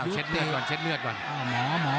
เช็ดเลือดก่อนเช็ดเลือดก่อน